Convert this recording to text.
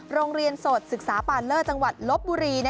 โรงเรียนสดศึกษาปาเลอร์จังหวัดลบบุรี